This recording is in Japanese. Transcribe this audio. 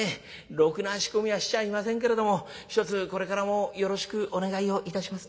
ろくな仕込みはしちゃいませんけれどもひとつこれからもよろしくお願いをいたします。